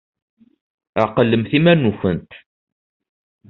Ɛqlemt iman-nkent!